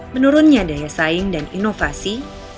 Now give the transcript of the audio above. menurunnya daya saing dan inovasi